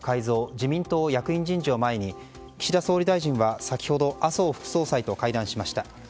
自民党役員人事を前に岸田総理大臣は先ほど麻生副総裁と会談しました。